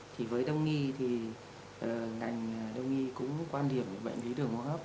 thì với đông y thì ngành đông y cũng quan điểm bệnh lý đường hô hấp